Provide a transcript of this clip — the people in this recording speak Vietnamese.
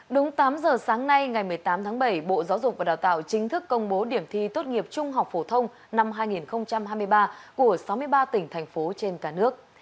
đúng tám giờ sáng nay ngày một mươi tám tháng bảy bộ giáo dục và đào tạo chính thức công bố điểm thi tốt nghiệp trung học phổ thông năm hai nghìn hai mươi ba của sáu mươi ba tỉnh thành phố trên cả nước